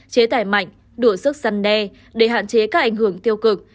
chế tải mạnh đủ sức săn đe để hạn chế các ảnh hưởng tiêu cực